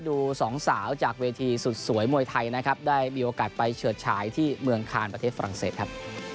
ดูสองสาวจากเวทีสุดสวยมวยไทยนะครับได้มีโอกาสไปเฉิดฉายที่เมืองคานประเทศฝรั่งเศสครับ